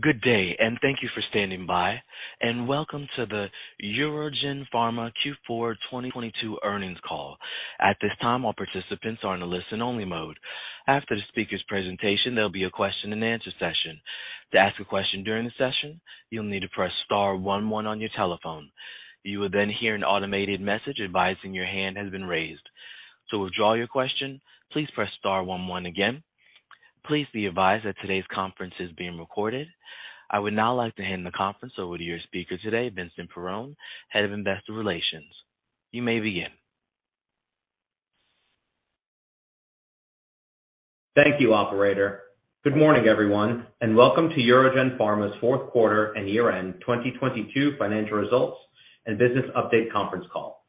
Good day, and thank you for standing by, and welcome to the UroGen Pharma Q4 2022 Earnings Call. At this time, all participants are in a listen only mode. After the speaker's presentation, there'll be a question and answer session. To ask a question during the session, you'll need to press star one one on your telephone. You will then hear an automated message advising your hand has been raised. To withdraw your question, please press star one one again. Please be advised that today's conference is being recorded. I would now like to hand the conference over to your speaker today, Vincent Perrone, Head of Investor Relations. You may begin. Thank you, operator. Good morning, everyone, and welcome to UroGen Pharma's fourth quarter and year-end 2022 financial results and business update conference call.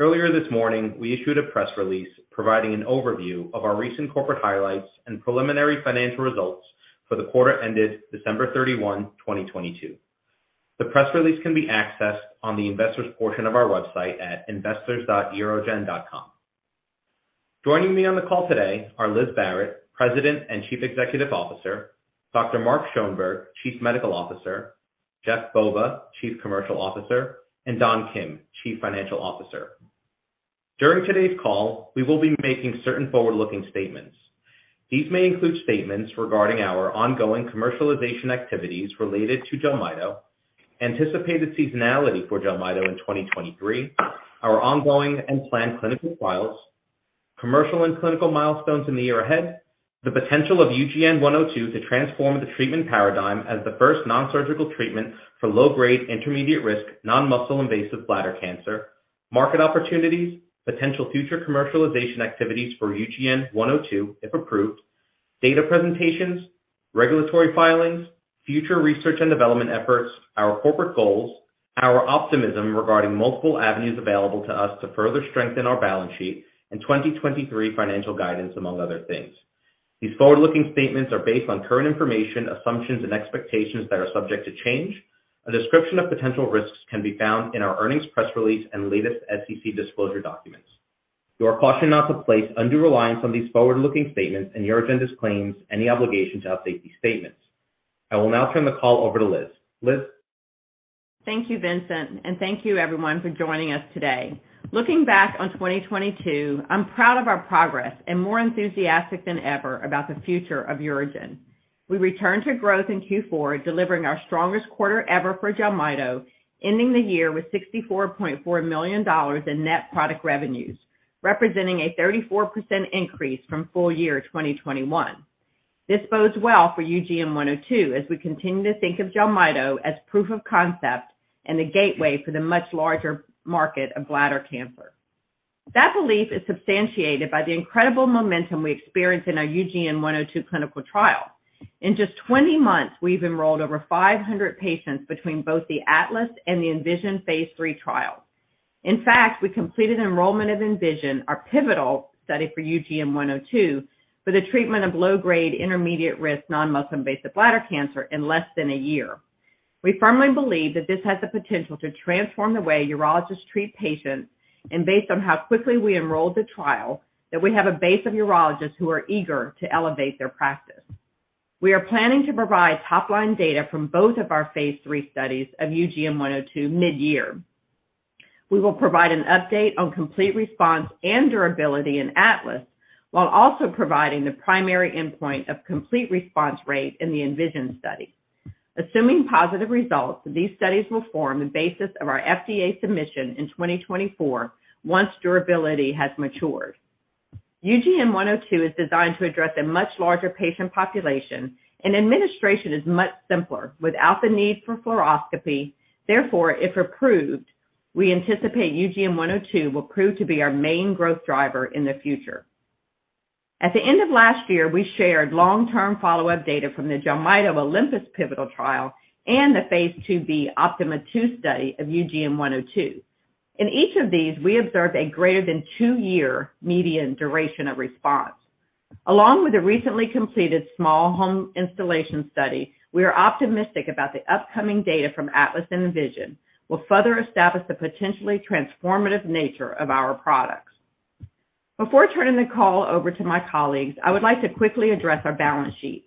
Earlier this morning, we issued a press release providing an overview of our recent corporate highlights and preliminary financial results for the quarter ended December 31, 2022. The press release can be accessed on the investors portion of our website at investors.urogen.com. Joining me on the call today are Liz Barrett, President and Chief Executive Officer, Dr. Mark Schoenberg, Chief Medical Officer, Jeff Bova, Chief Commercial Officer, and Don Kim, Chief Financial Officer. During today's call, we will be making certain forward-looking statements. These may include statements regarding our ongoing commercialization activities related to JELMYTO, anticipated seasonality for JELMYTO in 2023, our ongoing and planned clinical trials, commercial and clinical milestones in the year ahead, the potential of UGN-102 to transform the treatment paradigm as the first non-surgical treatment for Low-Grade Intermediate-Risk Non-Muscle Invasive Bladder Cancer, market opportunities, potential future commercialization activities for UGN-102 if approved, data presentations, regulatory filings, future research and development efforts, our corporate goals, our optimism regarding multiple avenues available to us to further strengthen our balance sheet and 2023 financial guidance, among other things. These forward-looking statements are based on current information, assumptions and expectations that are subject to change. A description of potential risks can be found in our earnings press release and latest SEC disclosure documents. You are cautioned not to place undue reliance on these forward-looking statements and UroGen disclaims any obligation to update these statements. I will now turn the call over to Liz. Liz. Thank you, Vincent, and thank you everyone for joining us today. Looking back on 2022, I'm proud of our progress and more enthusiastic than ever about the future of UroGen. We returned to growth in Q4, delivering our strongest quarter ever for JELMYTO, ending the year with $64.4 million in net product revenues, representing a 34% increase from full year 2021. This bodes well for UGN-102 as we continue to think of JELMYTO as proof of concept and the gateway for the much larger market of bladder cancer. That belief is substantiated by the incredible momentum we experience in our UGN-102 clinical trial. In just 20 months, we've enrolled over 500 patients between both the ATLAS and the ENVISION Phase III trial. In fact, we completed enrollment of ENVISION, our pivotal study for UGN-102, for the treatment of low-grade intermediate-risk non-muscle invasive bladder cancer in less than a year. We firmly believe that this has the potential to transform the way urologists treat patients and based on how quickly we enrolled the trial, that we have a base of urologists who are eager to elevate their practice. We are planning to provide top line data from both of our Phase III studies of UGN-102 mid-year. We will provide an update on complete response and durability in ATLAS, while also providing the primary endpoint of complete response rate in the ENVISION study. Assuming positive results, these studies will form the basis of our FDA submission in 2024 once durability has matured. UGN-102 is designed to address a much larger patient population and administration is much simpler without the need for fluoroscopy. If approved, we anticipate UGN-102 will prove to be our main growth driver in the future. At the end of last year, we shared long-term follow-up data from the JELMYTO OLYMPUS pivotal trial and the Phase II-B OPTIMA II study of UGN-102. In each of these, we observed a greater than two-year median duration of response. Along with the recently completed small home installation study, we are optimistic about the upcoming data from ATLAS and ENVISION will further establish the potentially transformative nature of our products. Before turning the call over to my colleagues, I would like to quickly address our balance sheet.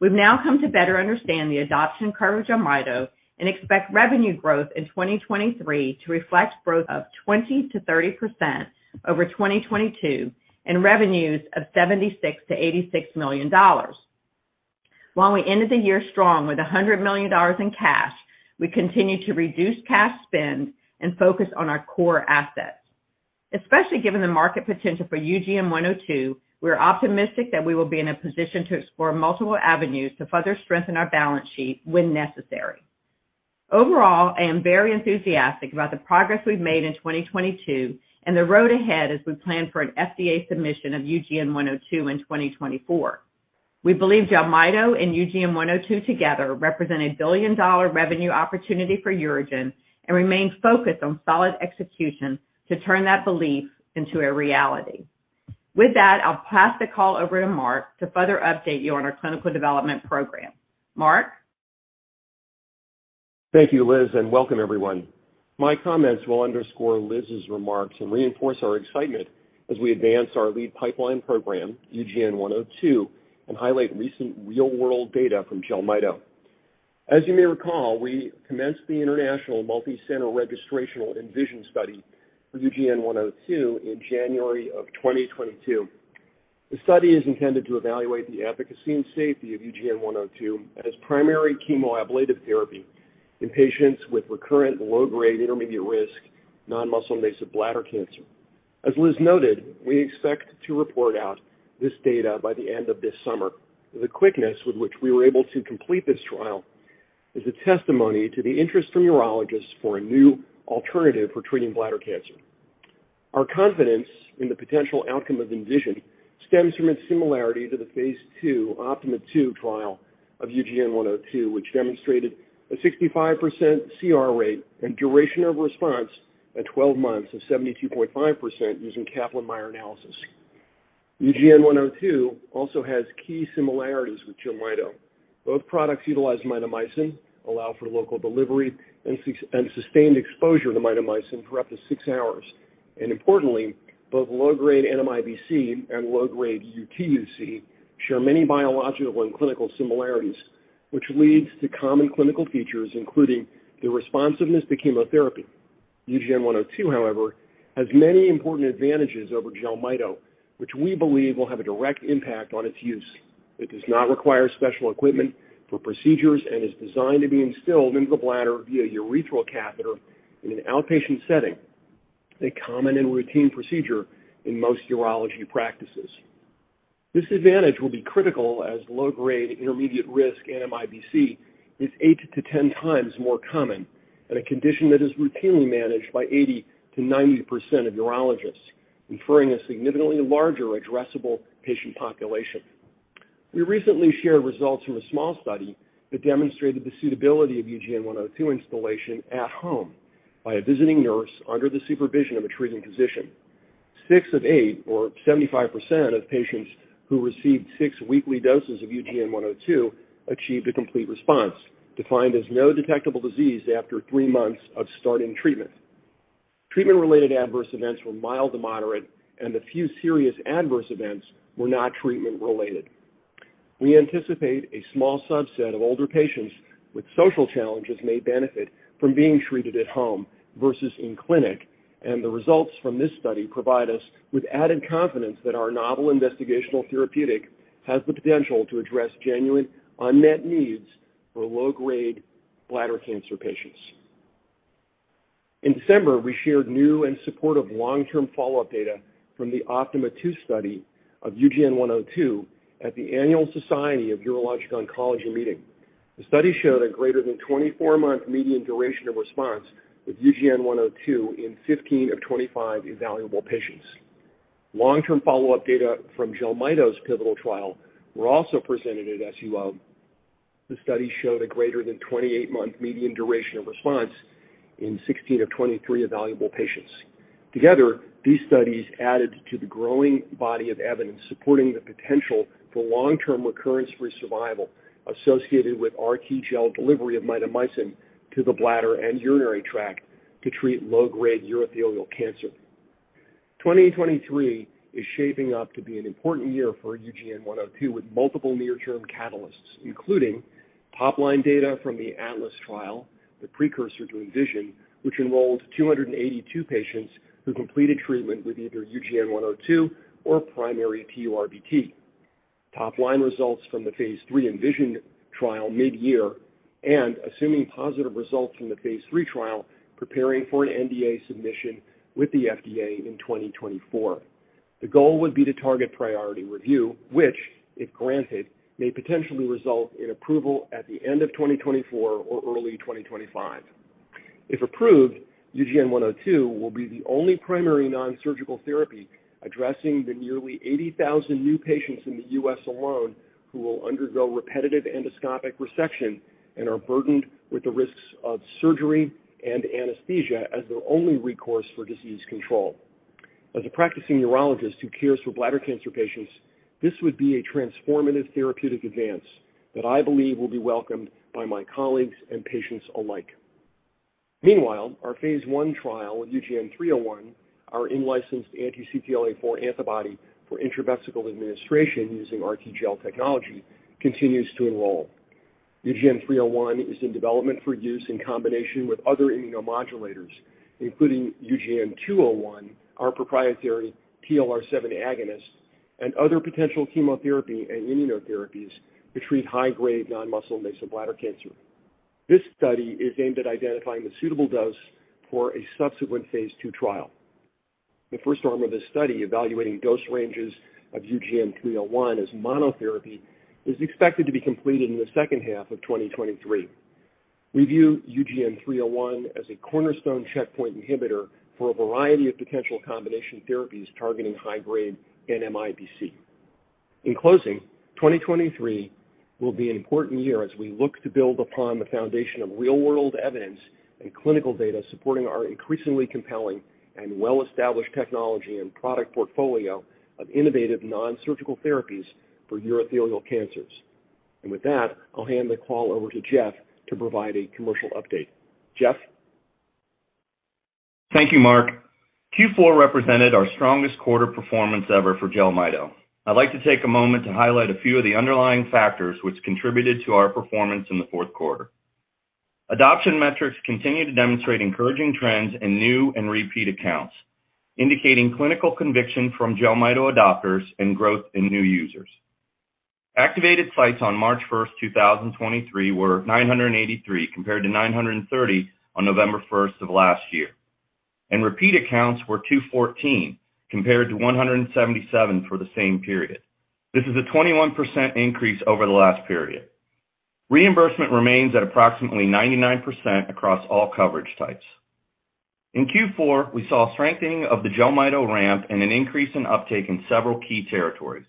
We've now come to better understand the adoption curve of JELMYTO and expect revenue growth in 2023 to reflect growth of 20%-30% over 2022 and revenues of $76 million-$86 million. While we ended the year strong with $100 million in cash, we continue to reduce cash spend and focus on our core assets. Especially given the market potential for UGN-102, we're optimistic that we will be in a position to explore multiple avenues to further strengthen our balance sheet when necessary. Overall, I am very enthusiastic about the progress we've made in 2022 and the road ahead as we plan for an FDA submission of UGN-102 in 2024. We believe JELMYTO and UGN-102 together represent a billion-dollar revenue opportunity for UroGen and remain focused on solid execution to turn that belief into a reality. With that, I'll pass the call over to Mark to further update you on our clinical development program. Mark? Thank you, Liz. Welcome everyone. My comments will underscore Liz's remarks and reinforce our excitement as we advance our lead pipeline program, UGN-102, and highlight recent real-world data from JELMYTO. As you may recall, we commenced the international multi-center registrational ENVISION study for UGN-102 in January of 2022. The study is intended to evaluate the efficacy and safety of UGN-102 as primary chemoablative therapy in patients with recurrent low-grade intermediate-risk non-muscle invasive bladder cancer. As Liz noted, we expect to report out this data by the end of this summer. The quickness with which we were able to complete this trial is a testimony to the interest from urologists for a new alternative for treating bladder cancer. Our confidence in the potential outcome of ENVISION stems from its similarity to the Phase II OPTIMA II trial of UGN-102, which demonstrated a 65% CR rate and duration of response at 12 months of 72.5% using Kaplan-Meier analysis. UGN-102 also has key similarities with JELMYTO. Both products utilize mitomycin, allow for local delivery and sustained exposure to mitomycin for up to six hours. Importantly, both low-grade NMIBC and low-grade UTUC share many biological and clinical similarities, which leads to common clinical features, including the responsiveness to chemotherapy. UGN-102, however, has many important advantages over JELMYTO, which we believe will have a direct impact on its use. It does not require special equipment for procedures and is designed to be instilled into the bladder via urethral catheter in an outpatient setting, a common and routine procedure in most urology practices. This advantage will be critical as low-grade intermediate risk NMIBC is 8x-10x more common, and a condition that is routinely managed by 80%-90% of urologists, referring a significantly larger addressable patient population. We recently shared results from a small study that demonstrated the suitability of UGN-102 installation at home by a visiting nurse under the supervision of a treating physician. Six of eight or 75% of patients who received six weekly doses of UGN-102 achieved a complete response, defined as no detectable disease after three months of starting treatment. Treatment-related adverse events were mild to moderate, and the few serious adverse events were not treatment related. We anticipate a small subset of older patients with social challenges may benefit from being treated at home versus in clinic, and the results from this study provide us with added confidence that our novel investigational therapeutic has the potential to address genuine unmet needs for low-grade bladder cancer patients. In December, we shared new and supportive long-term follow-up data from the OPTIMA II study of UGN-102 at the Annual Society of Urologic Oncology meeting. The study showed a greater than 24-month median duration of response with UGN-102 in 15 of 25 evaluable patients. Long-term follow-up data from JELMYTO's pivotal trial were also presented at SUO. The study showed a greater than 28-month median duration of response in 16 of 23 evaluable patients. Together, these studies added to the growing body of evidence supporting the potential for long-term recurrence-free survival associated with RTGel delivery of mitomycin to the bladder and urinary tract to treat low-grade urothelial cancer. 2023 is shaping up to be an important year for UGN-102 with multiple near-term catalysts, including top-line data from the ATLAS trial, the precursor to ENVISION, which enrolled 282 patients who completed treatment with either UGN-102 or primary TURBT. Top-line results from the Phase III ENVISION trial mid-year and, assuming positive results from the Phase III trial, preparing for an NDA submission with the FDA in 2024. The goal would be to target priority review, which, if granted, may potentially result in approval at the end of 2024 or early 2025. If approved, UGN-102 will be the only primary non-surgical therapy addressing the nearly 80,000 new patients in the U.S. alone who will undergo repetitive endoscopic resection and are burdened with the risks of surgery and anesthesia as their only recourse for disease control. As a practicing urologist who cares for bladder cancer patients, this would be a transformative therapeutic advance that I believe will be welcomed by my colleagues and patients alike. Meanwhile, our Phase I trial of UGN-301, our in-licensed anti-CTLA-4 antibody for intravesical administration using RTGel technology, continues to enroll. UGN-301 is in development for use in combination with other immunomodulators, including UGN-201, our proprietary TLR7 agonist, and other potential chemotherapy and immunotherapies to treat high-grade non-muscle invasive bladder cancer. This study is aimed at identifying the suitable dose for a subsequent Phase II trial. The first arm of this study evaluating dose ranges of UGN-301 as monotherapy is expected to be completed in the second half of 2023. We view UGN-301 as a cornerstone checkpoint inhibitor for a variety of potential combination therapies targeting high-grade NMIBC. In closing, 2023 will be an important year as we look to build upon the foundation of real-world evidence and clinical data supporting our increasingly compelling and well-established technology and product portfolio of innovative non-surgical therapies for urothelial cancers. With that, I'll hand the call over to Jeff to provide a commercial update. Jeff? Thank you, Mark. Q4 represented our strongest quarter performance ever for JELMYTO. I'd like to take a moment to highlight a few of the underlying factors which contributed to our performance in the fourth quarter. Adoption metrics continue to demonstrate encouraging trends in new and repeat accounts, indicating clinical conviction from JELMYTO adopters and growth in new users. Activated sites on March 1st, 2023 were 983, compared to 930 on November 1st of last year. Repeat accounts were 214, compared to 177 for the same period. This is a 21% increase over the last period. Reimbursement remains at approximately 99% across all coverage types. In Q4, we saw a strengthening of the JELMYTO ramp and an increase in uptake in several key territories.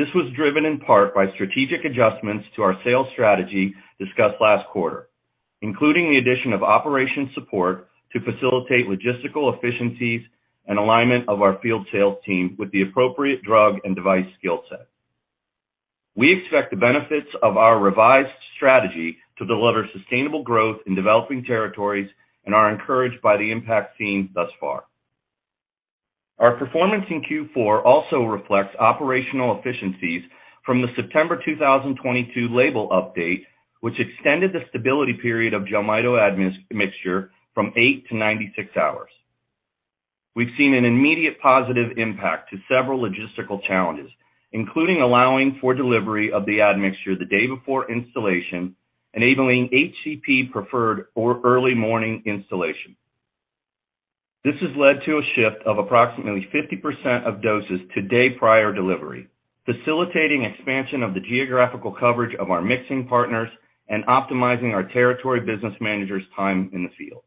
This was driven in part by strategic adjustments to our sales strategy discussed last quarter, including the addition of operation support to facilitate logistical efficiencies and alignment of our field sales team with the appropriate drug and device skill set. We expect the benefits of our revised strategy to deliver sustainable growth in developing territories and are encouraged by the impact seen thus far. Our performance in Q4 also reflects operational efficiencies from the September 2022 label update, which extended the stability period of JELMYTO admixture from eight to 96 hours. We've seen an immediate positive impact to several logistical challenges, including allowing for delivery of the admixture the day before installation, enabling HCP preferred or early morning installation. This has led to a shift of approximately 50% of doses to day prior delivery, facilitating expansion of the geographical coverage of our mixing partners and optimizing our territory business managers' time in the field.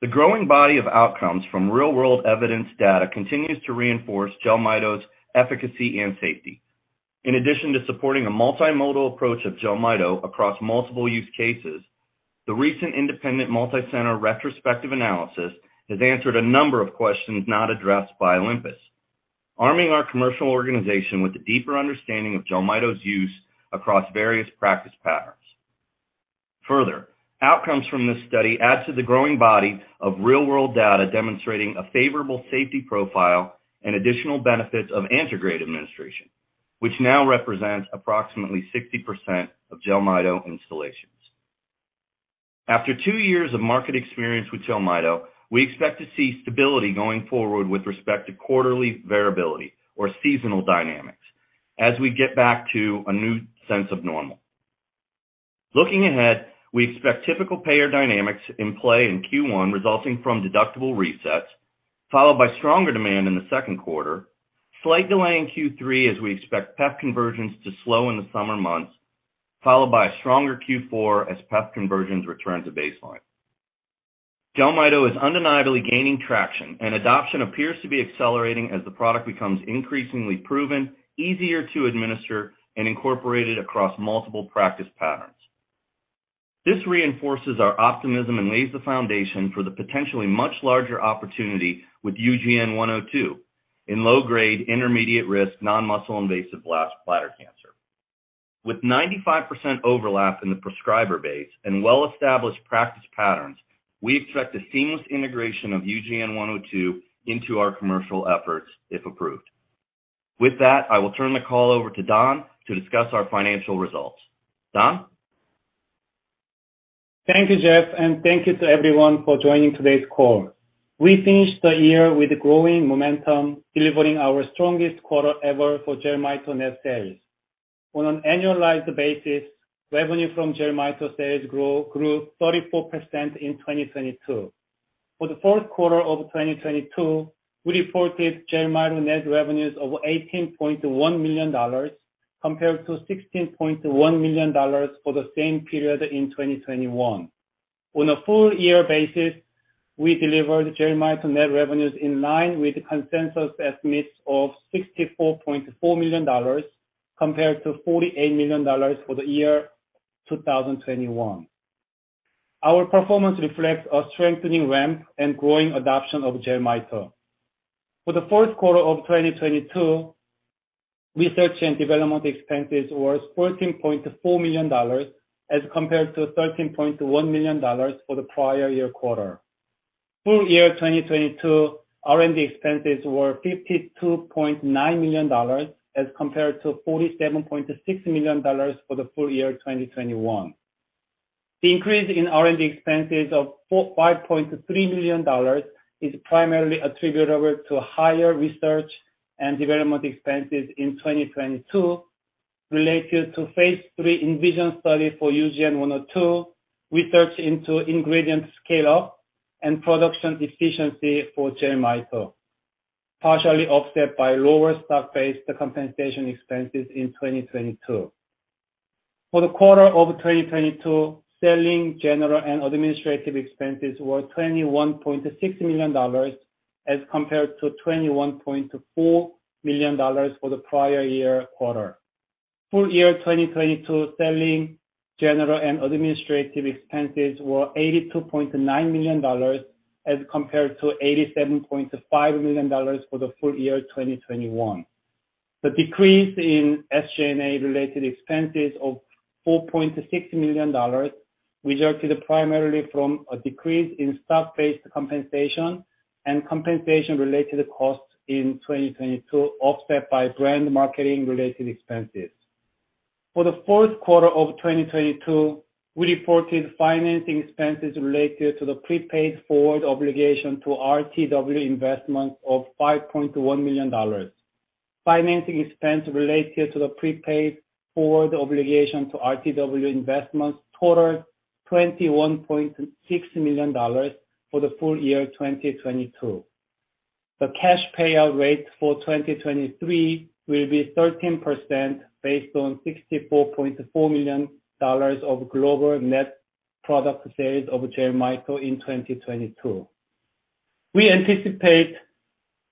The growing body of outcomes from real-world evidence data continues to reinforce JELMYTO's efficacy and safety. In addition to supporting a multimodal approach of JELMYTO across multiple use cases, the recent independent multi-center retrospective analysis has answered a number of questions not addressed by OLYMPUS, arming our commercial organization with a deeper understanding of JELMYTO's use across various practice patterns. Outcomes from this study add to the growing body of real-world data demonstrating a favorable safety profile and additional benefits of integrated administration, which now represents approximately 60% of JELMYTO installations. After two years of market experience with JELMYTO, we expect to see stability going forward with respect to quarterly variability or seasonal dynamics as we get back to a new sense of normal. Looking ahead, we expect typical payer dynamics in play in Q1 resulting from deductible resets, followed by stronger demand in the second quarter, slight delay in Q3 as we expect PEP conversions to slow in the summer months, followed by a stronger Q4 as PEP conversions return to baseline. JELMYTO is undeniably gaining traction, and adoption appears to be accelerating as the product becomes increasingly proven, easier to administer, and incorporated across multiple practice patterns. This reinforces our optimism and lays the foundation for the potentially much larger opportunity with UGN-102 in low-grade intermediate-risk non-muscle invasive blast bladder cancer. With 95% overlap in the prescriber base and well-established practice patterns, we expect a seamless integration of UGN-102 into our commercial efforts if approved. With that, I will turn the call over to Don to discuss our financial results. Don? Thank you, Jeff, and thank you to everyone for joining today's call. We finished the year with growing momentum, delivering our strongest quarter ever for JELMYTO net sales. On an annualized basis, revenue from JELMYTO sales grew 34% in 2022. For the fourth quarter of 2022, we reported JELMYTO net revenues of $18.1 million, compared to $16.1 million for the same period in 2021. On a full year basis, we delivered JELMYTO net revenues in line with the consensus estimates of $64.4 million compared to $48 million for the year 2021. Our performance reflects a strengthening ramp and growing adoption of JELMYTO. For the fourth quarter of 2022, research and development expenses was $14.4 million as compared to $13.1 million for the prior year quarter. Full year 2022 R&D expenses were $52.9 million as compared to $47.6 million for the full year 2021. The increase in R&D expenses of $5.3 million is primarily attributable to higher research and development expenses in 2022 related to Phase III ENVISION study for UGN-102, research into ingredient scale-up, and production efficiency for JELMYTO, partially offset by lower stock-based compensation expenses in 2022. For the quarter of 2022, selling, general, and administrative expenses were $21.6 million as compared to $21.4 million for the prior year quarter. Full year 2022 selling, general, and administrative expenses were $82.9 million as compared to $87.5 million for the full year 2021. The decrease in SG&A related expenses of $4.6 million resulted primarily from a decrease in stock-based compensation and compensation related costs in 2022, offset by brand marketing related expenses. For the fourth quarter of 2022, we reported financing expenses related to the prepaid forward obligation to RTW Investments of $5.1 million. Financing expense related to the prepaid forward obligation to RTW Investments totaled $21.6 million for the full year 2022. The cash payout rate for 2023 will be 13% based on $64.4 million of global net product sales of JELMYTO in 2022. We anticipate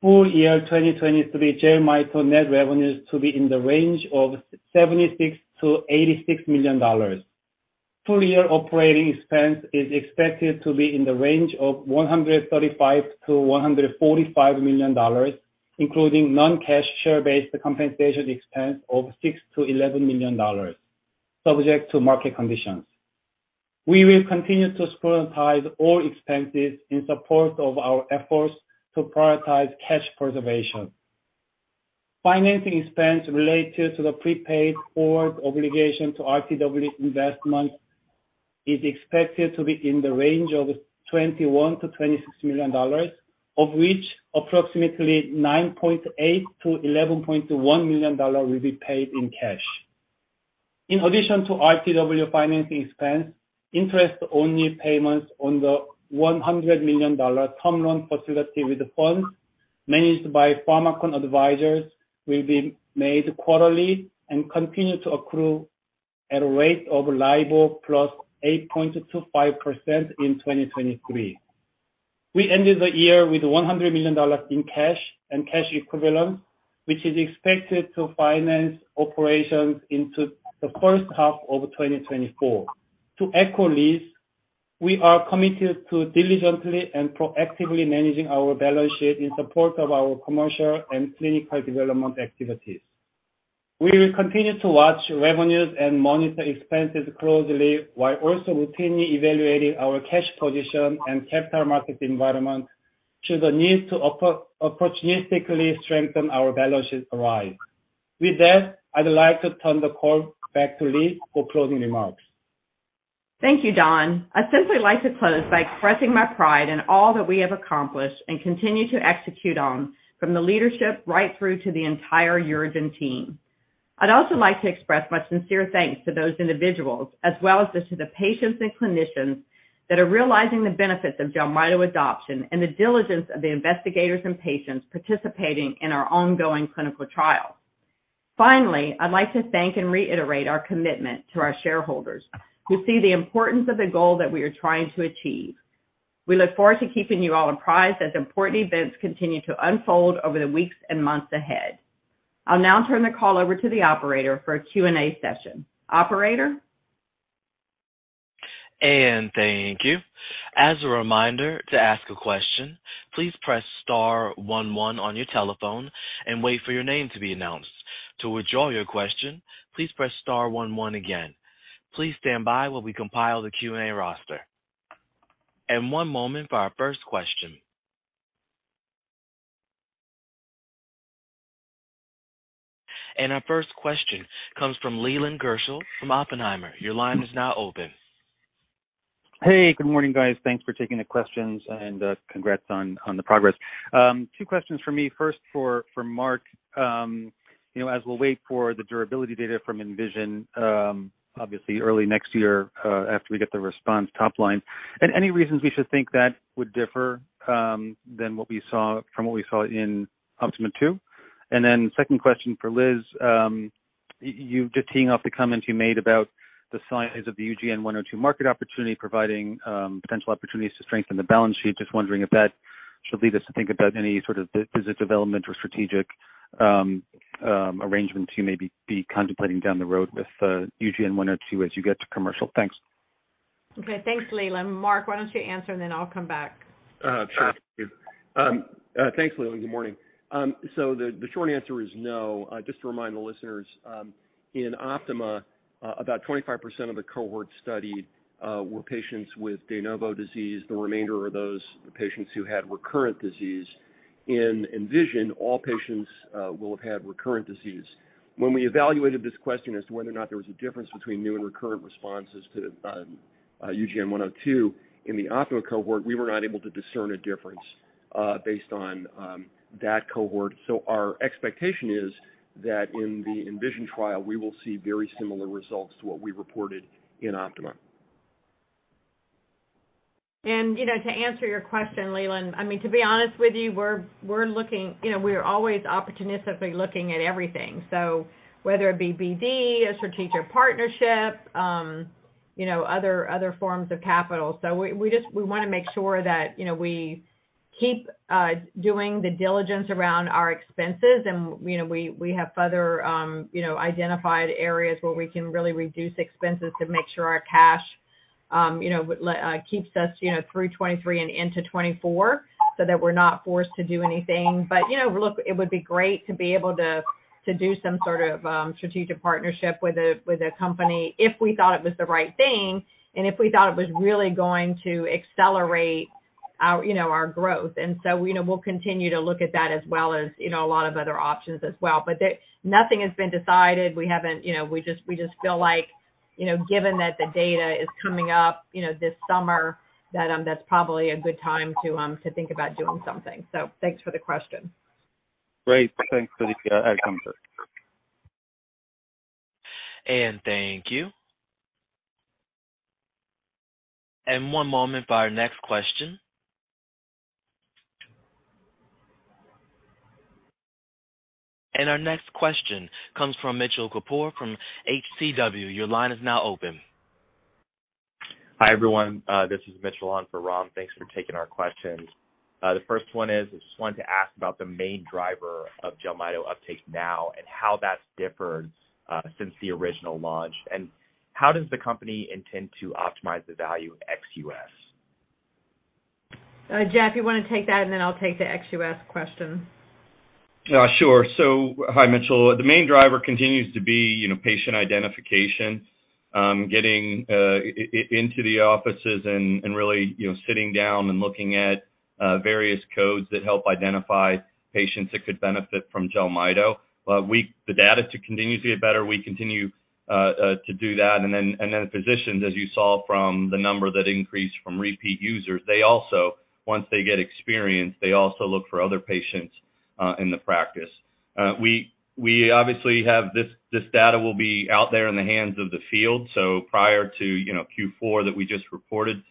full year 2023 JELMYTO net revenues to be in the range of $76 million-$86 million. Full year operating expense is expected to be in the range of $135 million-$145 million, including non-cash share-based compensation expense of $6 million-$11 million subject to market conditions. We will continue to scrutinize all expenses in support of our efforts to prioritize cash preservation. Financing expense related to the prepaid forward obligation to RTW Investments is expected to be in the range of $21 million-$26 million, of which approximately $9.8 million-$11.1 million will be paid in cash. In addition to RTW financing expense, interest-only payments on the $100 million term loan facility with the fund managed by Pharmakon Advisors will be made quarterly and continue to accrue at a rate of LIBOR plus 8.25% in 2023. We ended the year with $100 million in cash and cash equivalents, which is expected to finance operations into the first half of 2024. To echo Liz, we are committed to diligently and proactively managing our balance sheet in support of our commercial and clinical development activities. We will continue to watch revenues and monitor expenses closely, while also routinely evaluating our cash position and capital market environment should the need to opportunistically strengthen our balance sheet arise. With that, I'd like to turn the call back to Liz for closing remarks. Thank you, Don. I'd simply like to close by expressing my pride in all that we have accomplished and continue to execute on, from the leadership right through to the entire UroGen team. I'd also like to express my sincere thanks to those individuals, as well as to the patients and clinicians that are realizing the benefits of JELMYTO adoption, and the diligence of the investigators and patients participating in our ongoing clinical trials. Finally, I'd like to thank and reiterate our commitment to our shareholders who see the importance of the goal that we are trying to achieve. We look forward to keeping you all apprised as important events continue to unfold over the weeks and months ahead. I'll now turn the call over to the operator for a Q&A session. Operator? Thank you. As a reminder, to ask a question, please press star one one on your telephone and wait for your name to be announced. To withdraw your question, please press star one one again. Please stand by while we compile the Q&A roster. One moment for our first question. Our first question comes from Leland Gershell from Oppenheimer. Your line is now open. Hey, good morning, guys. Thanks for taking the questions, and congrats on the progress. Two questions from me. First for Mark. You know, as we'll wait for the durability data from ENVISION, obviously early next year, after we get the response top line, and any reasons we should think that would differ from what we saw in OPTIMA II? Then second question for Liz. You teeing off the comments you made about the size of the UGN-102 market opportunity providing potential opportunities to strengthen the balance sheet. Just wondering if that should lead us to think about any sort of business development or strategic arrangement you may be contemplating down the road with UGN-102 as you get to commercial. Thanks. Okay. Thanks, Leland. Mark, why don't you answer, and then I'll come back. Sure. Thanks, Leland, good morning. The short answer is no. Just to remind the listeners, in OPTIMA, about 25% of the cohort studied, were patients with de novo disease. The remainder are those patients who had recurrent disease. In ENVISION, all patients will have had recurrent disease. When we evaluated this question as to whether or not there was a difference between new and recurrent responses to UGN-102 in the OPTIMA cohort, we were not able to discern a difference based on that cohort. Our expectation is that in the ENVISION trial, we will see very similar results to what we reported in OPTIMA. You know, to answer your question, Leland, I mean, to be honest with you, we're looking, you know, we are always opportunistically looking at everything. Whether it be BD, a strategic partnership, you know, other forms of capital. We wanna make sure that, you know, we keep doing the diligence around our expenses and, you know, we have further identified areas where we can really reduce expenses to make sure our cash, you know, would let keeps us, you know, through 2023 and into 2024 so that we're not forced to do anything. You know, look, it would be great to be able to do some sort of strategic partnership with a company if we thought it was the right thing and if we thought it was really going to accelerate our, you know, our growth. You know, we'll continue to look at that as well as, you know, a lot of other options as well. Nothing has been decided. We haven't, you know, we just feel like, you know, given that the data is coming up, you know, this summer, that's probably a good time to think about doing something. Thanks for the question. Great. Thanks, Liz. I come through. Thank you. One moment for our next question. Our next question comes from Mitchell Kapoor from HCW. Your line is now open. Hi, everyone. This is Mitchell on for Ram. Thanks for taking our questions. The first one is, I just wanted to ask about the main driver of JELMYTO uptake now and how that's differed, since the original launch, and how does the company intend to optimize the value of ex-U.S.? Jeff, you wanna take that, and then I'll take the ex-U.S. question. Sure. Hi, Mitchell. The main driver continues to be, you know, patient identification, getting into the offices and really, you know, sitting down and looking at various codes that help identify patients that could benefit from JELMYTO. The data continues to get better. We continue to do that. Physicians, as you saw from the number that increased from repeat users, they also, once they get experience, they also look for other patients in the practice. We obviously have this data will be out there in the hands of the field. Prior to, you know, Q4 that we just reported,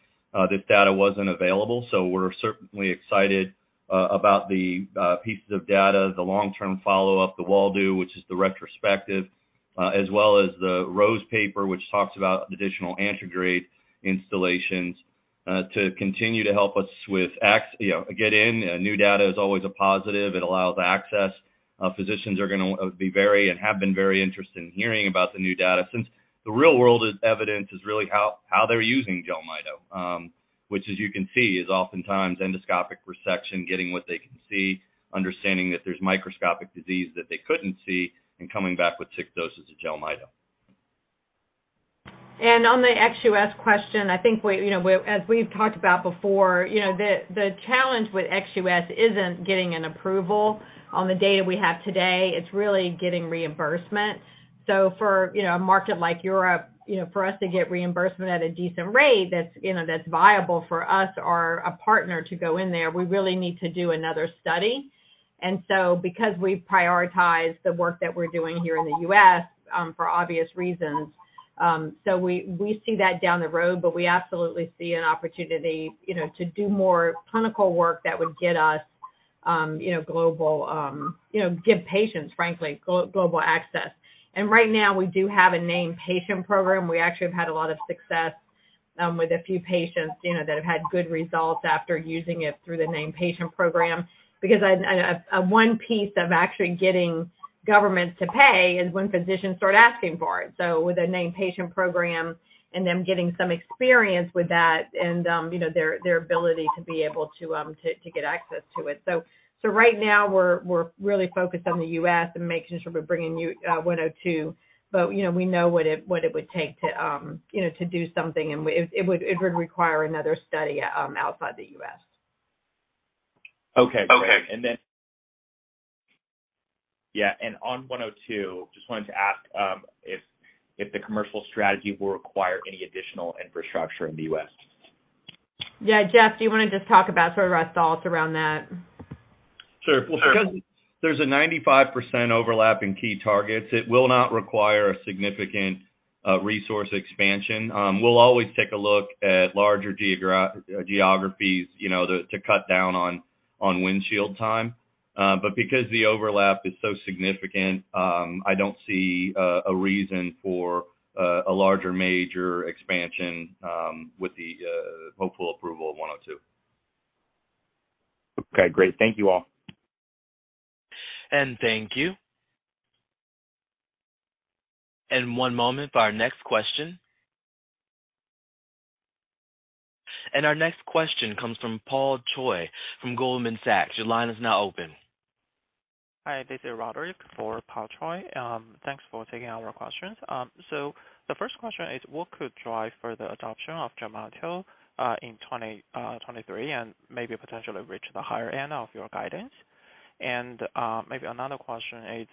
this data wasn't available. We're certainly excited about the pieces of data, the long-term follow-up, the Waldo, which is the retrospective, as well as the Rose paper, which talks about additional antegrade installations, to continue to help us with you know, get in. New data is always a positive. It allows access. Physicians are gonna be very and have been very interested in hearing about the new data since the real-world evidence is really how they're using JELMYTO, which as you can see, is oftentimes endoscopic resection, getting what they can see, understanding that there's microscopic disease that they couldn't see, and coming back with six doses of JELMYTO. On the ex-U.S. question, I think we, you know, as we've talked about before, you know, the challenge with ex-U.S. isn't getting an approval on the data we have today. It's really getting reimbursement. For, you know, a market like Europe, you know, for us to get reimbursement at a decent rate that's, you know, that's viable for us or a partner to go in there, we really need to do another study. Because we prioritize the work that we're doing here in the U.S., for obvious reasons, so we see that down the road. We absolutely see an opportunity, you know, to do more clinical work that would get us, you know, global, you know, give patients, frankly, global access. Right now, we do have a named patient program. We actually have had a lot of success, you know, with a few patients, you know, that have had good results after using it through the named patient program. A one piece of actually getting governments to pay is when physicians start asking for it. With a named patient program and them getting some experience with that and, you know, their ability to be able to get access to it. Right now we're really focused on the U.S. and making sure we're bringing UGN-102. You know, we know what it would take to do something and it would require another study outside the U.S. Okay. Great. Yeah. On UGN-102, just wanted to ask if the commercial strategy will require any additional infrastructure in the U.S. Jeff, do you wanna just talk about sort of our thoughts around that? Because there's a 95% overlap in key targets, it will not require a significant resource expansion. We'll always take a look at larger geographies, you know, to cut down on windshield time. Because the overlap is so significant, I don't see a reason for a larger major expansion with the hopeful approval of 102. Okay, great. Thank you all. Thank you. One moment for our next question. Our next question comes from Paul Choi from Goldman Sachs. Your line is now open. Hi, this is Roderick for Paul Choi. Thanks for taking our questions. The first question is, what could drive further adoption of JELMYTO in 2023 and maybe potentially reach the higher end of your guidance? Maybe another question is,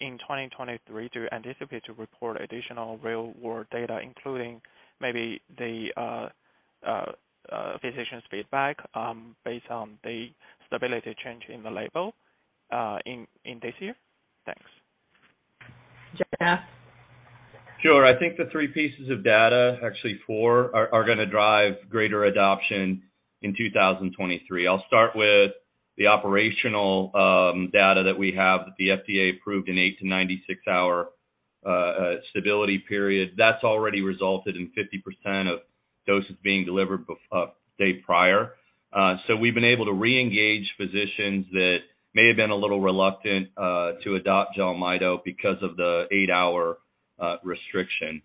in 2023, do you anticipate to report additional real world data, including maybe the physician's feedback, based on the stability change in the label in this year? Thanks. Jeff? Sure. I think the three pieces of data, actually four, are gonna drive greater adoption in 2023. I'll start with the operational data that we have that the FDA approved in eight to 96 hours stability period. That's already resulted in 50% of doses being delivered day prior. We've been able to reengage physicians that may have been a little reluctant to adopt JELMYTO because of the eight-hour restriction.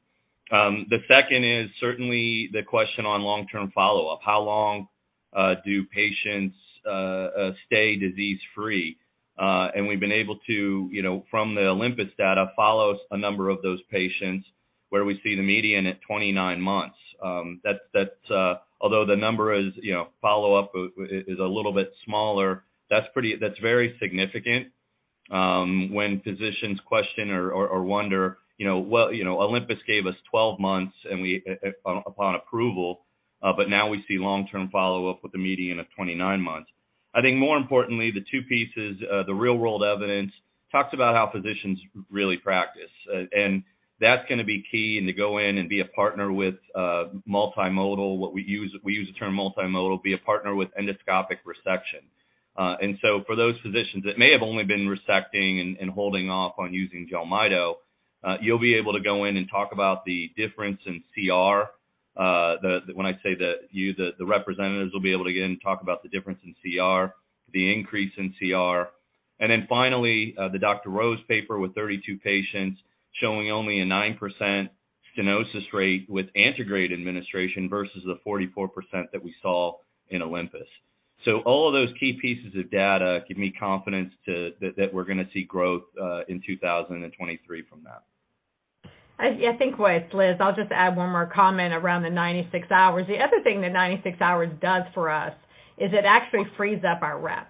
The second is certainly the question on long-term follow-up. How long do patients stay disease-free? We've been able to, you know, from the OLYMPUS data, follow a number of those patients where we see the median at 29 months. That's, although the number is, you know, follow-up is a little bit smaller, that's very significant. When physicians question or wonder, you know, well, you know, OLYMPUS gave us 12 months, and we upon approval, but now we see long-term follow-up with a median of 29 months. I think more importantly, the two pieces, the real-world evidence talks about how physicians really practice. That's gonna be key, and to go in and be a partner with multimodal, what we use the term multimodal, be a partner with endoscopic resection. For those physicians that may have only been resecting and holding off on using JELMYTO, you'll be able to go in and talk about the difference in CR. When I say the representatives will be able to get in and talk about the difference in CR, the increase in CR. Then finally, the Dr. Rose paper with 32 patients showing only a 9% stenosis rate with in-office administration versus the 44% that we saw in OLYMPUS. All of those key pieces of data give me confidence that we're gonna see growth in 2023 from that. I think what Liz. I'll just add one more comment around the 96 hours. The other thing that 96 hours does for us is it actually frees up our rep.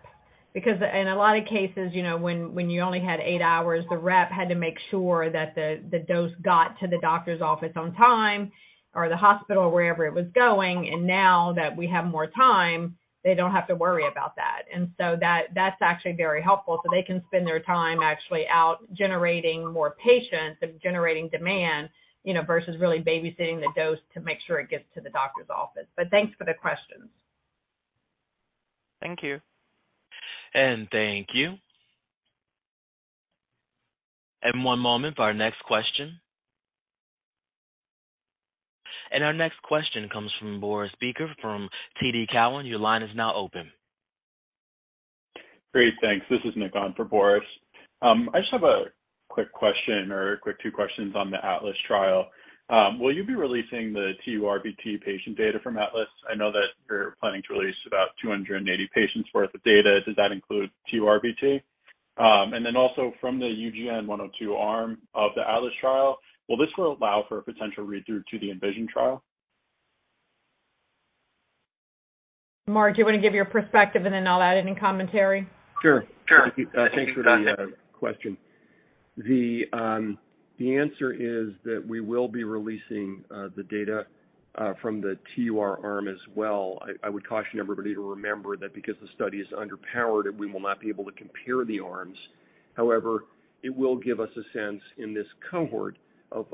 In a lot of cases, you know, when you only had eight hours, the rep had to make sure that the dose got to the doctor's office on time or the hospital wherever it was going. Now that we have more time, they don't have to worry about that. That's actually very helpful. They can spend their time actually out generating more patients and generating demand, you know, versus really babysitting the dose to make sure it gets to the doctor's office. Thanks for the questions. Thank you. Thank you. One moment for our next question. Our next question comes from Boris Peaker from TD Cowen. Your line is now open. Great. Thanks. This is Nick on for Boris. I just have a quick question or quick two questions on the ATLAS trial. Will you be releasing the TURBT patient data from ATLAS? I know that you're planning to release about 280 patients worth of data. Does that include TURBT? Also from the UGN-102 arm of the ATLAS trial, will this allow for a potential read-through to the ENVISION trial? Mark, do you wanna give your perspective, and then I'll add any commentary? Sure. Sure. Thanks for the question. The answer is that we will be releasing the data from the TUR arm as well. I would caution everybody to remember that because the study is underpowered, we will not be able to compare the arms. However, it will give us a sense in this cohort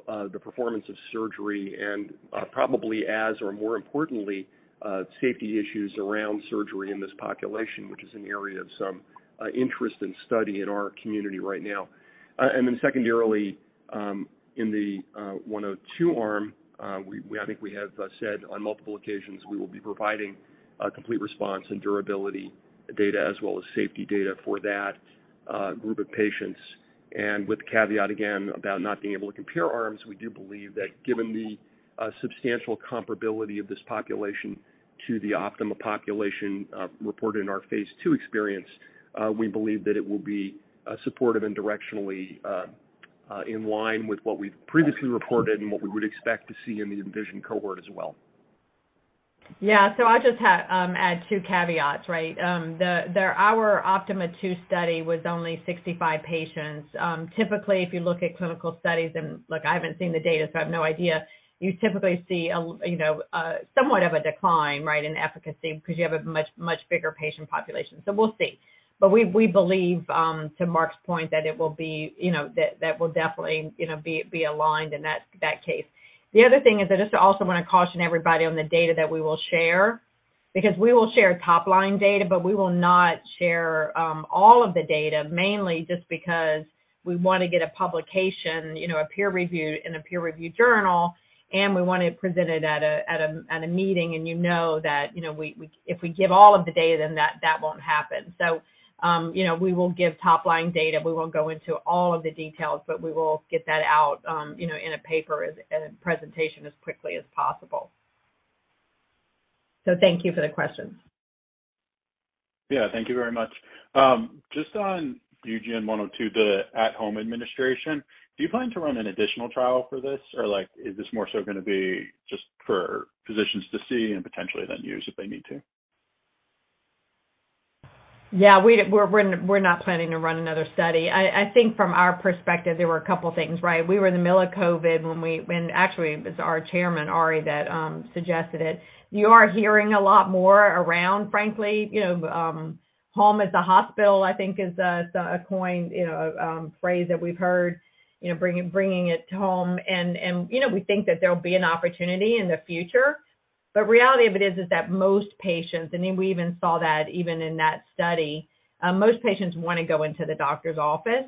of the performance of surgery and probably as or more importantly, safety issues around surgery in this population, which is an area of some interest and study in our community right now. Secondarily, in the 102 arm, we I think we have said on multiple occasions we will be providing a complete response and durability data as well as safety data for that group of patients. With the caveat again about not being able to compare arms, we do believe that given the substantial comparability of this population to the OPTIMA population, reported in our Phase II experience, we believe that it will be supportive and directionally in line with what we've previously reported and what we would expect to see in the ENVISION cohort as well. Yeah. I'll just add two caveats, right? The, our OPTIMA II study was only 65 patients. Typically, if you look at clinical studies and look, I haven't seen the data, so I have no idea. You typically see a, you know, somewhat of a decline, right, in efficacy because you have a much, much bigger patient population. We'll see. We, we believe, to Mark's point that it will be, you know, that will definitely, you know, be aligned in that case. The other thing is I just also wanna caution everybody on the data that we will share because we will share top-line data, but we will not share all of the data, mainly just because we wanna get a publication, you know, a peer review in a peer-reviewed journal, and we wanna present it at a meeting. You know that, you know, we if we give all of the data, then that won't happen. You know, we will give top-line data. We won't go into all of the details, but we will get that out, you know, in a paper in a presentation as quickly as possible. Thank you for the question. Yeah. Thank you very much. Just on UGN-102, the at-home administration, do you plan to run an additional trial for this? Like, is this more so gonna be just for physicians to see and potentially then use if they need to? Yeah. We're not planning to run another study. I think from our perspective, there were a couple things, right? We were in the middle of COVID when actually it was our chairman, Arie, that suggested it. You are hearing a lot more around, frankly, you know, home is a hospital, I think is a coined, you know, phrase that we've heard, you know, bringing it home. You know, we think that there'll be an opportunity in the future. Reality of it is that most patients and then we even saw that even in that study, most patients want to go into the doctor's office.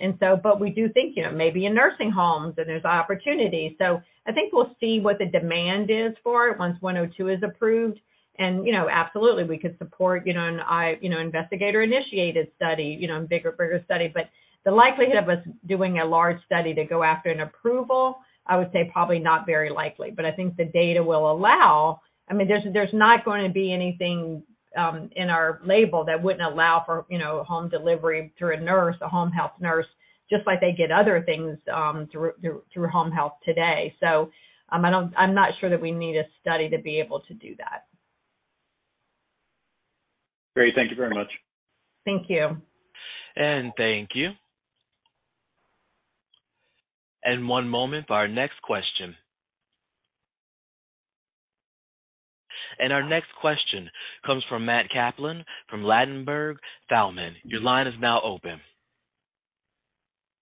We do think, you know, maybe in nursing homes that there's opportunity. I think we'll see what the demand is for it once 102 is approved. You know, absolutely, we could support, you know, investigator-initiated study, you know, bigger study. The likelihood of us doing a large study to go after an approval, I would say probably not very likely. I think the data will allow... I mean, there's not going to be anything in our label that wouldn't allow for, you know, home delivery through a nurse, a home health nurse, just like they get other things through home health today. I'm not sure that we need a study to be able to do that. Great. Thank you very much. Thank you. Thank you. One moment for our next question. Our next question comes from Matt Kaplan from Ladenburg Thalmann. Your line is now open.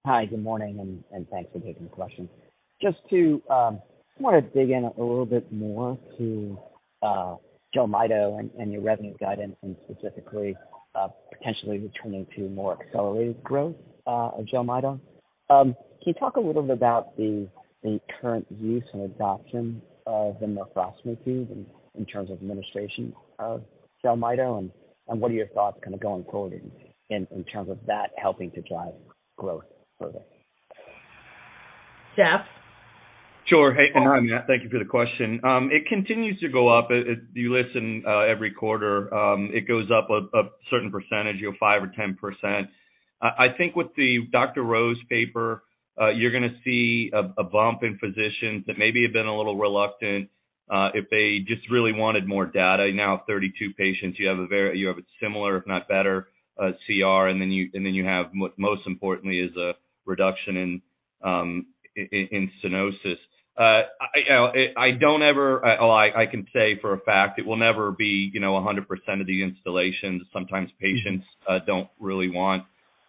Hi, good morning, and thanks for taking the question. Just to, I just wanna dig in a little bit more to JELMYTO and your revenue guidance and specifically, potentially returning to more accelerated growth of JELMYTO. Can you talk a little bit about the current use and adoption of the nephrostomy tube in terms of administration of JELMYTO and what are your thoughts kinda going forward in terms of that helping to drive growth further? Jeff? Sure. Hey, hi, Matt. Thank you for the question. It continues to go up. You listen, every quarter, it goes up a certain percentage, you know, 5% or 10%. I think with the Dr. Rose paper, you're gonna see a bump in physicians that maybe have been a little reluctant, if they just really wanted more data. Now 32 patients, you have a very similar, if not better, CR. Then you, and then you have, most importantly, is a reduction in stenosis. I, I don't ever... I can say for a fact it will never be, you know, 100% of the installations. Sometimes patients don't really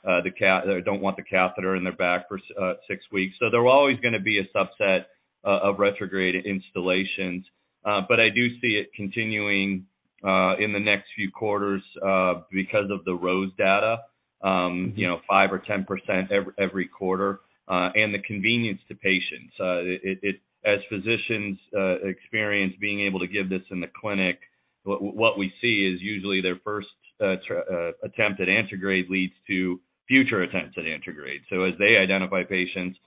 want the catheter in their back for six weeks. There's always gonna be a subset of retrograde installations. I do see it continuing in the next few quarters because of the Rose data, you know, 5% or 10% every quarter, and the convenience to patients. It, as physicians experience being able to give this in the clinic, what we see is usually their first attempt at antegrade leads to future attempts at antegrade. As they identify patients,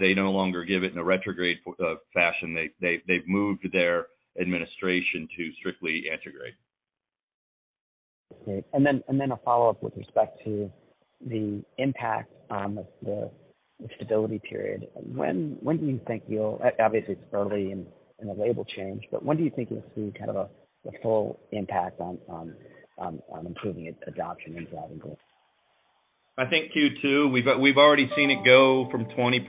they no longer give it in a retrograde fashion. They've moved their administration to strictly antegrade. Great. Then a follow-up with respect to the impact of the stability period. When do you think you'll... Obviously, it's early in the label change, but when do you think you'll see kind of a full impact on improving its adoption and driving growth? I think Q2. We've already seen it go from 20%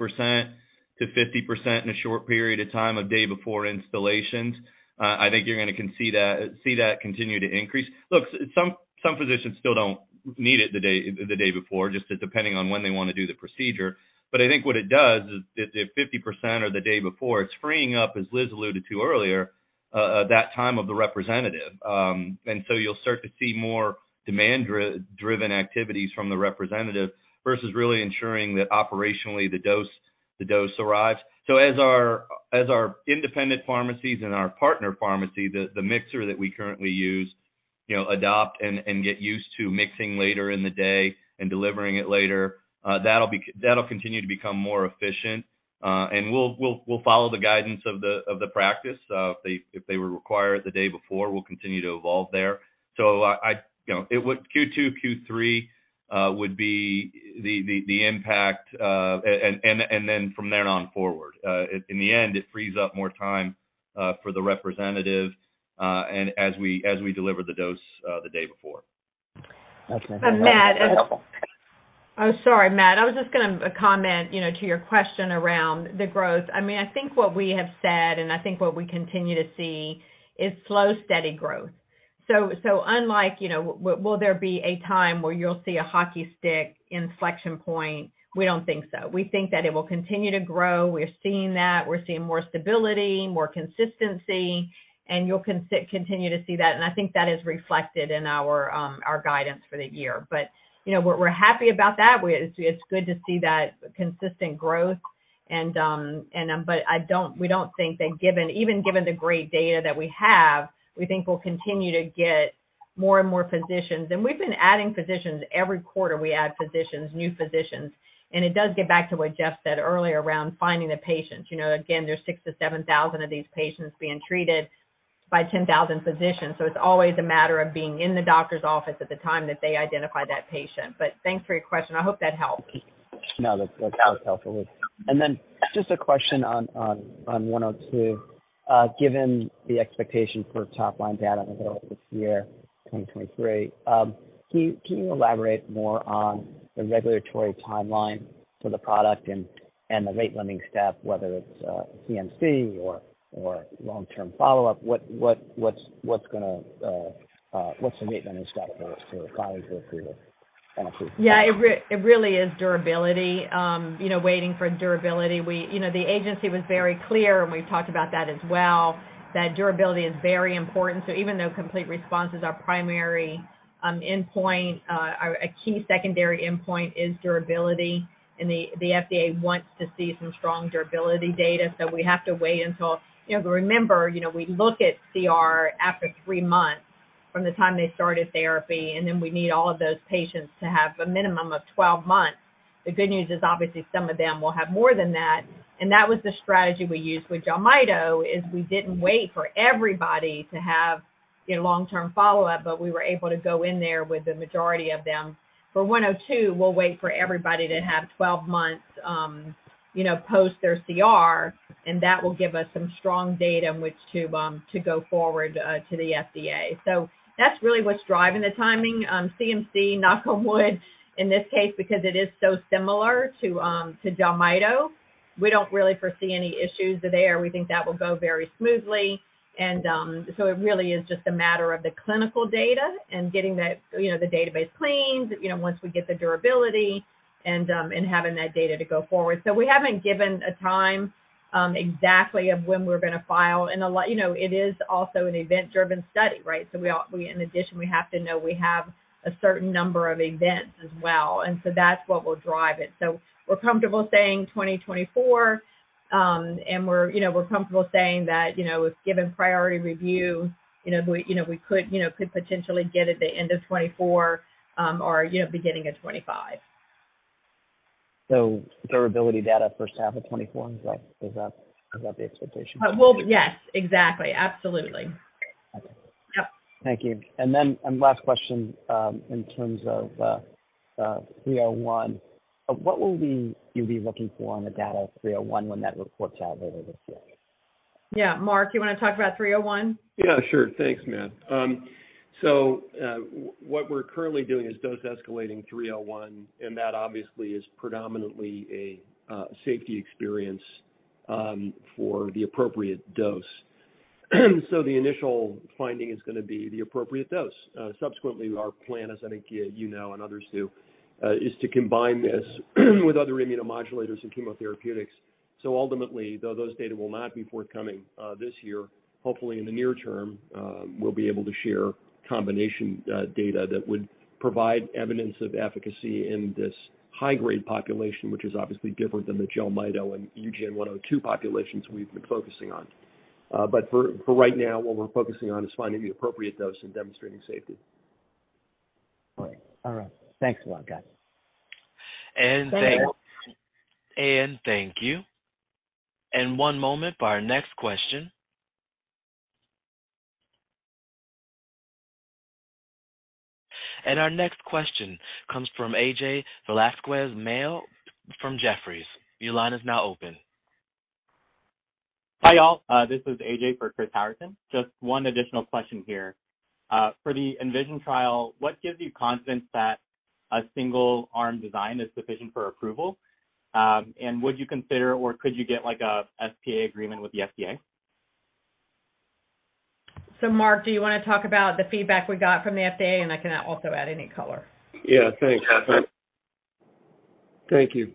to 50% in a short period of time of day before installations. I think you're gonna see that continue to increase. Look, some physicians still don't need it the day before, just depending on when they wanna do the procedure. I think what it does is if 50% or the day before, it's freeing up, as Liz alluded to earlier, that time of the representative. You'll start to see more demand-driven activities from the representative versus really ensuring that operationally the dose arrives. As our independent pharmacies and our partner pharmacy, the mixer that we currently use, you know, adopt and get used to mixing later in the day and delivering it later, that'll continue to become more efficient. We'll follow the guidance of the practice. If they were required the day before, we'll continue to evolve there. I, you know, Q2, Q3 would be the impact, and then from then on forward. In the end, it frees up more time for the representative, and as we deliver the dose the day before. That's helpful. Matt- That's helpful. Sorry, Matt. I was just gonna comment, you know, to your question around the growth. I mean, I think what we have said, and I think what we continue to see is slow, steady growth. Unlike, you know, will there be a time where you'll see a hockey stick inflection point, we don't think so. We think that it will continue to grow. We're seeing that. We're seeing more stability, more consistency, and you'll continue to see that. I think that is reflected in our guidance for the year. You know, we're happy about that. It's good to see that consistent growth and. We don't think that even given the great data that we have, we think we'll continue to get more and more physicians. We've been adding physicians. Every quarter, we add physicians, new physicians. It does get back to what Jeff said earlier around finding the patients. You know, again, there's 6,000-7,000 of these patients being treated by 10,000 physicians. It's always a matter of being in the doctor's office at the time that they identify that patient. Thanks for your question. I hope that helps. No, that's helpful. Just a question on 102. Given the expectation for top-line data in the middle of this year, 2023, can you elaborate more on the regulatory timeline for the product and the rate-limiting step, whether it's CMC or long-term follow-up? What's the rate-limiting step for this to filing for approval? Yeah, it really is durability, you know, waiting for durability. We, you know, the agency was very clear, and we've talked about that as well, that durability is very important. Even though complete response is our primary endpoint, a key secondary endpoint is durability, and the FDA wants to see some strong durability data. We have to wait until. You know, but remember, you know, we look at CR after three months from the time they started therapy, and then we need all of those patients to have a minimum of 12 months. The good news is obviously some of them will have more than that. That was the strategy we used with JELMYTO, is we didn't wait for everybody to have a long-term follow-up, but we were able to go in there with the majority of them. For 102, we'll wait for everybody to have 12 months, you know, post their CR, and that will give us some strong data in which to go forward to the FDA. That's really what's driving the timing. CMC, knock on wood, in this case, because it is so similar to JELMYTO. We don't really foresee any issues there. We think that will go very smoothly. It really is just a matter of the clinical data and getting the, you know, the database cleaned, you know, once we get the durability and having that data to go forward. We haven't given a time exactly of when we're gonna file. A lot, you know, it is also an event-driven study, right? In addition, we have to know we have a certain number of events as well. That's what will drive it. We're comfortable saying 2024, and we're, you know, we're comfortable saying that, you know, if given priority review, we could potentially get at the end of 2024, or, you know, beginning of 2025. Durability data first half of 2024, is that the expectation? Well, yes, exactly. Absolutely. Okay. Yep. Thank you. Last question, in terms of 301. What will you be looking for on the data 301 when that reports out later this year? Yeah. Mark, you wanna talk about 301? Yeah, sure. Thanks, Matt Kaplan. What we're currently doing is dose escalating 301, and that obviously is predominantly a safety experience for the appropriate dose. The initial finding is gonna be the appropriate dose. Subsequently, our plan, as I think you know and others do, is to combine this with other immunomodulators and chemotherapeutics. Ultimately, though those data will not be forthcoming this year. Hopefully, in the near term, we'll be able to share combination data that would provide evidence of efficacy in this high grade population, which is obviously different than the JELMYTO and UGN-102 populations we've been focusing on. For right now, what we're focusing on is finding the appropriate dose and demonstrating safety. All right. Thanks a lot, guys. Thanks. Thank you. One moment for our next question. Our next question comes from AJ Velasquez-Mao from Jefferies. Your line is now open. Hi, y'all. This is AJ for Chris Howerton. Just one additional question here. For the ENVISION trial, what gives you confidence that a single arm design is sufficient for approval? Would you consider or could you get, like, a SPA agreement with the FDA? Mark, do you want to talk about the feedback we got from the FDA? I can also add any color. Yeah. Thanks. Thank you.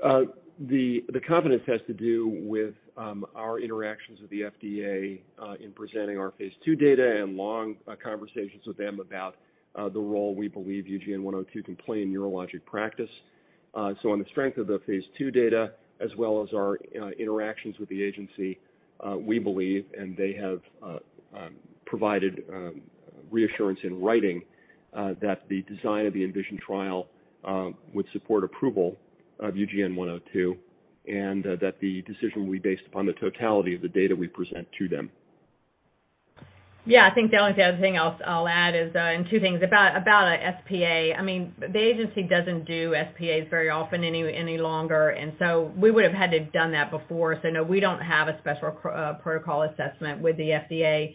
The confidence has to do with our interactions with the FDA in presenting our Phase II data and long conversations with them about the role we believe UGN-102 can play in urologic practice. On the strength of the Phase II data as well as our interactions with the agency, we believe, and they have provided reassurance in writing, that the design of the ENVISION trial would support approval of UGN-102, and that the decision will be based upon the totality of the data we present to them. I think the only other thing I'll add is two things about a SPA. I mean, the agency doesn't do SPAs very often any longer, and so we would have had to done that before. No, we don't have a special protocol assessment with the FDA.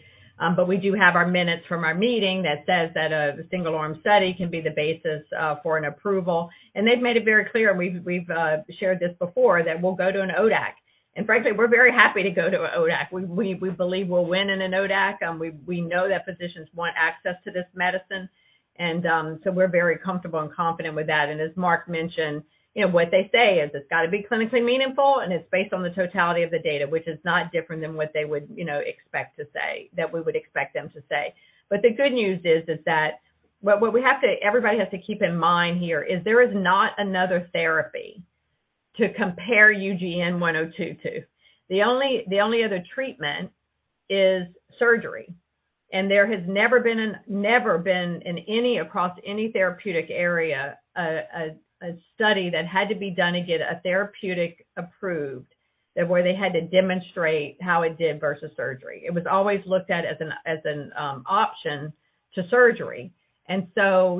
We do have our minutes from our meeting that says that a single arm study can be the basis for an approval. They've made it very clear, and we've shared this before, that we'll go to an ODAC. Frankly, we're very happy to go to an ODAC. We believe we'll win in an ODAC, we know that physicians want access to this medicine. So we're very comfortable and confident with that. As Mark mentioned, you know, what they say is it's gotta be clinically meaningful, and it's based on the totality of the data, which is not different than what they would, you know, expect to say, that we would expect them to say. The good news is that everybody has to keep in mind here is there is not another therapy to compare UGN-102 to. The only other treatment is surgery. There has never been in any across any therapeutic area a study that had to be done to get a therapeutic approved that where they had to demonstrate how it did versus surgery. It was always looked at as an option to surgery. You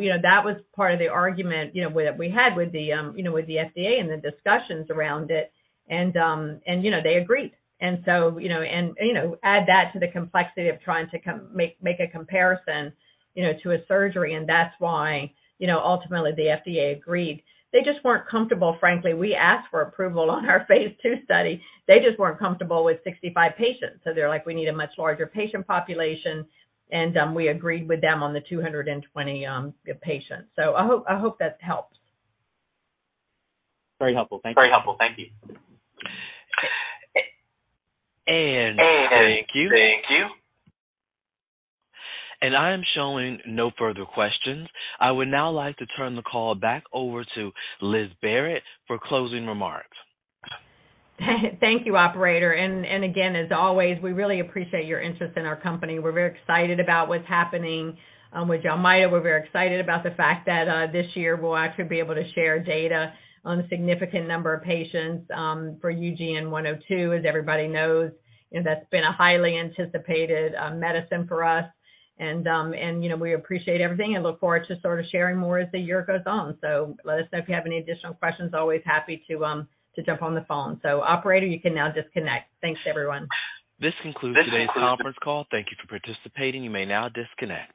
know, that was part of the argument, you know, we had with the, you know, with the FDA and the discussions around it. You know, they agreed. You know, add that to the complexity of trying to make a comparison, you know, to a surgery, and that's why, you know, ultimately the FDA agreed. They just weren't comfortable. Frankly, we asked for approval on our Phase II study. They just weren't comfortable with 65 patients. They're like, "We need a much larger patient population." We agreed with them on the 220 patients. I hope that helps. Very helpful. Thank you. Thank you. I am showing no further questions. I would now like to turn the call back over to Liz Barrett for closing remarks. Thank you, operator. Again, as always, we really appreciate your interest in our company. We're very excited about what's happening with JELMYTO. We're very excited about the fact that this year we'll actually be able to share data on a significant number of patients for UGN-102. As everybody knows, you know, that's been a highly anticipated medicine for us. You know, we appreciate everything and look forward to sort of sharing more as the year goes on. Let us know if you have any additional questions. Always happy to jump on the phone. Operator, you can now disconnect. Thanks, everyone. This concludes today's conference call. Thank you for participating. You may now disconnect.